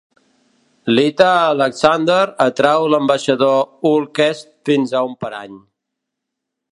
Lyta Alexander atrau l'ambaixador Ulkesh fins a un parany.